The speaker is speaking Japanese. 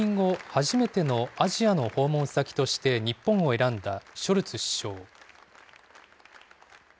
初めてのアジアの訪問先として、日本を選んだショルツ首相。